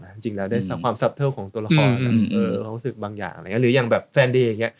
จริงจริงแล้วได้ความของตัวละครเออของรู้สึกบางอย่างอะไรอย่างหรืออย่างแบบแฟนเดย์อย่างเงี้ย